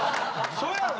そやろ！